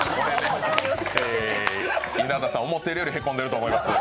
稲田さん、思ってるよりへこんでると思います。